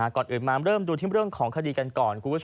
กอดอึดมาเริ่มดูทิ้งเรื่องของคดีกันก่อน